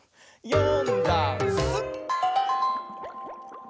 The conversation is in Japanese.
「よんだんす」